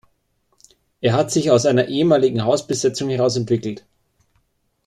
Er hat sich aus einer ehemaligen Hausbesetzung heraus entwickelt.